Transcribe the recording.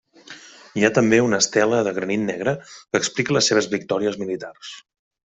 Hi ha també una estela de granit negre que explica les seves victòries militars.